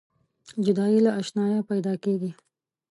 جدایي له اشناییه پیداکیږي.